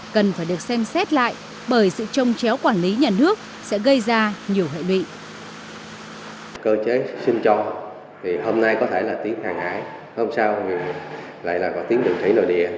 cần phải được xem xét lại bởi sự trông chéo quản lý nhà nước sẽ gây ra nhiều hệ lụy